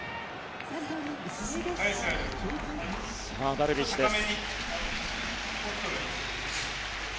ダルビッシュです。